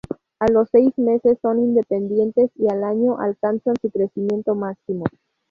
A los seis meses son independientes y al año alcanzan su crecimiento máximo.